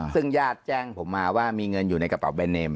ซึ่งญาติแจ้งผมมาว่ามีเงินอยู่ในกระเป๋าแบรนเมม